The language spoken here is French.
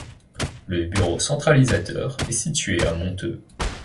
Le bureau centralisateur est situé à Monteux.